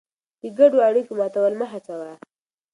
د ګډو اړیکو ماتول مه هڅوه.